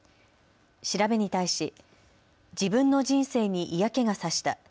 調べに対し自分の人生に嫌気が差した。